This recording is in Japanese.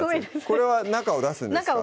これは中を出すんですか？